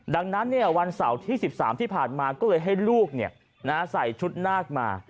ดังนั้นวันเสาร์ที่๑๓ที่ผ่านมาก็เลยให้ลูกใส่ชุดนาคมา